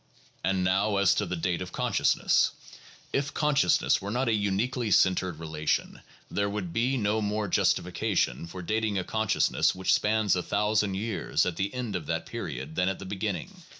And now as to the date of consciousness. If consciousness were not a uniquely centered relation, there would be no more justification for dating a consciousness which spans a thousand years at the end of that period than at the beginning.